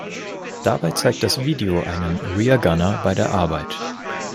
Dabei zeigt das Video einen "Rear Gunner" bei der Arbeit.